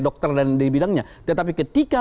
dokter dan di bidangnya tetapi ketika